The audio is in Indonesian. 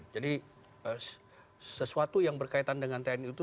jadi sesuatu yang berkaitan dengan tni itu